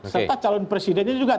serta calon presidennya juga